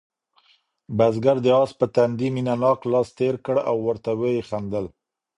بزګر د آس په تندي مینه ناک لاس تېر کړ او ورته ویې خندل.